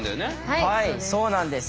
はいそうなんです。